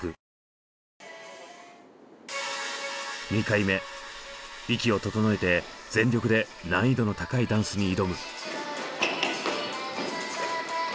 ２回目息を整えて全力で難易度の高いダンスに挑む。